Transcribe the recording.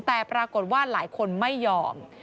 แต่ปรากฏว่าหลายคนไม่ยอม